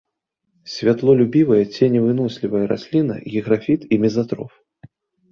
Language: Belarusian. Святлолюбівая, ценевынослівая расліна, гіграфіт і мезатроф.